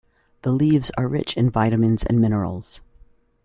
The leaves are rich in vitamins and minerals.